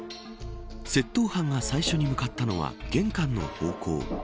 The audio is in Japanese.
窃盗犯が最初に向かったのは玄関の方向。